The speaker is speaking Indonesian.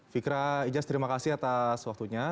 pak ijaz terima kasih atas waktunya